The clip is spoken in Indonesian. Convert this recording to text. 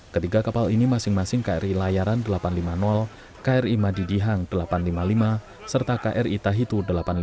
ketiga kapal ini masing masing kri layaran delapan ratus lima puluh kri madidihang delapan ratus lima puluh lima serta kri tahitu delapan ratus lima puluh